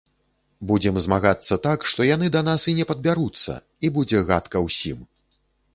Будзем змагацца так, што яны да нас і не падбяруцца, і будзе гадка ўсім.